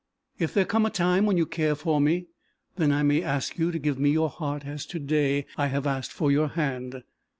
If there come a time when you care for me, then I may ask you to give me your heart as to day I have asked for your hand?"